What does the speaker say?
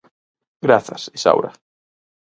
Grazas, Isaura.